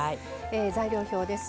材料表です。